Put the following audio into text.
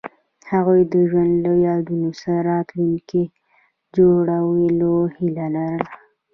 هغوی د ژوند له یادونو سره راتلونکی جوړولو هیله لرله.